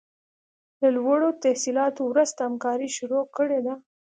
له لوړو تحصیلاتو وروسته همکاري شروع کړې ده.